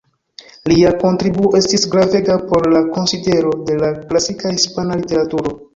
Lia kontribuo estis gravega por la konsidero de la klasika hispana literaturo.